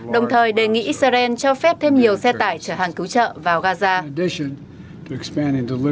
đồng thời đề nghị israel cho phép thêm nhiều xe tải chở hàng cứu trợ vào gaza